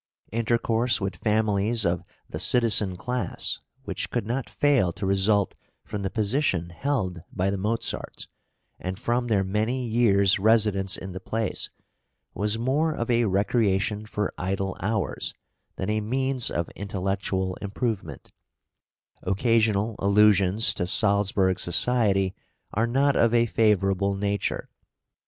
Intercourse with families of the citizen class, which could not fail to result from the position held by the Mozarts, and from their many years residence in the place, was more of a recreation for idle hours than a means of intellectual improvement; occasional allusions to Salzburg society are not of a favourable nature.